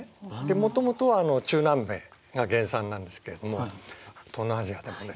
もともとは中南米が原産なんですけれども東南アジアでもね